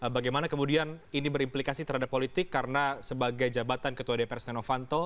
bagaimana kemudian ini berimplikasi terhadap politik karena sebagai jabatan ketua dpr setia novanto